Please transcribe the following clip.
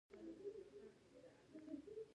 د ماهیت په لحاظ تشبیه پر څلور ډوله ده.